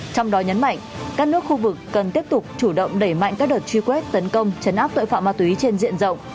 trong đó nhấn mạnh các nước khu vực cần tiếp tục chủ động đẩy mạnh các đợt truy quét tấn công chấn áp tội phạm ma túy trên diện rộng